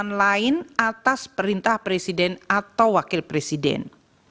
yang lain atas perintah presiden atau wakil presiden